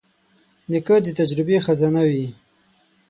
نیکه د تجربې خزانه وي.